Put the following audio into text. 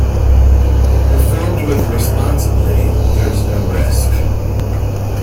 Performed with responsibly, there is no risk.